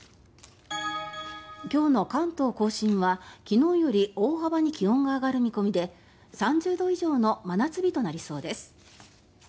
今日の関東・甲信は、昨日より大幅に気温が上がる見込みで３０度以上の真夏日となりそうです。